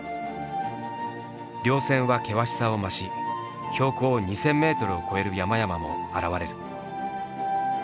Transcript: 稜線は険しさを増し標高２，０００メートルを超える山々も現れる。